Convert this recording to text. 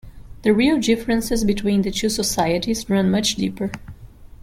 The real differences between the two societies ran much deeper.